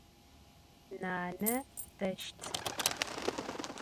Nane deşt.